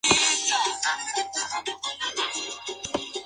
Su verdadero nombre es "Jessica Cook Draper".